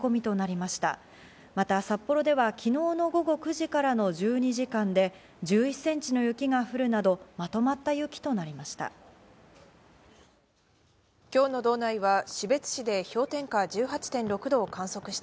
また、札幌では昨日の午後９時からの１２時間で１１センチの雪が降るなど、まとまった雪となりました。